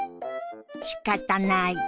「しかたない」。